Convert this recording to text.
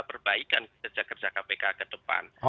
perbaikan kerja kerja kpk ke depan